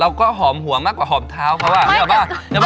เราก็หอมหัวมากกว่าหอมเท้าก็เนี่ยหรือปะ